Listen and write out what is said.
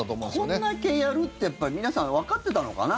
こんだけやるって皆さんわかってたのかな。